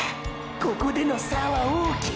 ここでの差は大きい！！